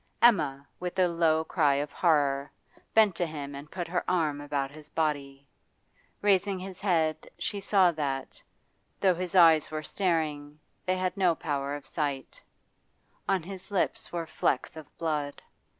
Emma, with a low cry of horror, bent to him and put her arm about his body. Raising his head, she saw that, though his eyes were staring, they had no power of sight; on his lips were flecks of blood.